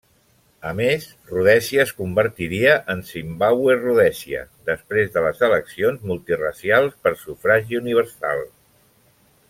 A més, Rhodèsia es convertiria en Zimbàbue-Rhodèsia després de les eleccions multiracials per sufragi universal.